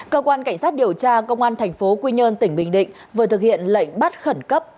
cơ quan cảnh sát điều tra công an thành phố quy nhơn tỉnh bình định vừa thực hiện lệnh bắt khẩn cấp